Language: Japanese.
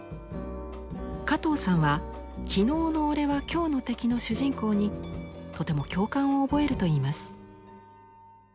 加藤さんは「昨日のおれは今日の敵」の主人公にとても共感を覚えるといいます。